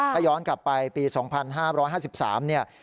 ถ้าย้อนกลับไปปี๒๕๕๓เนี่ย